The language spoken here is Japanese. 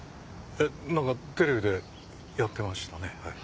えっなんかテレビでやってましたね。